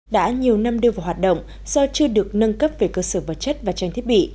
đã nhiều năm đưa vào hoạt động do chưa được nâng cấp về cơ sở vật chất và trang thiết bị